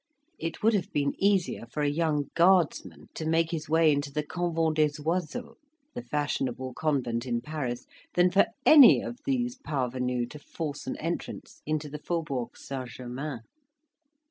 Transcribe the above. It would have been easier for a young Guardsman to make his way into the Convent des Oiseaux the fashionable convent in Paris than for any of these parvenus to force an entrance into the Faubourg St. Germain.